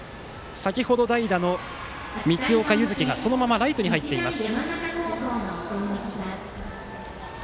先程、代打の光岡優月がそのままライトに入っています。